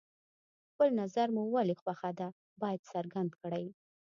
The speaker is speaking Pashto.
خپل نظر مو ولې خوښه ده باید څرګند کړئ.